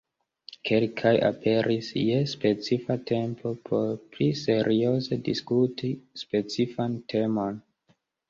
Kelkaj aperis je specifa tempo por pli serioze diskuti specifan temon.